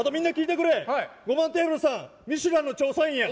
ミシュランの調査員や。